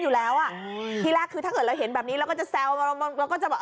อยู่แล้วอ่ะอืมที่แรกคือถ้าเกิดเราเห็นแบบนี้เราก็จะแซวมาเราก็จะแบบ